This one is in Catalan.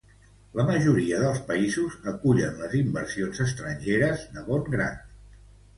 La majoria dels països acullen les inversions estrangeres de bon grat.